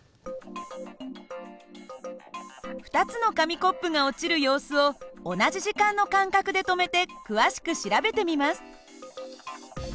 ２つの紙コップが落ちる様子を同じ時間の間隔で止めて詳しく調べてみます。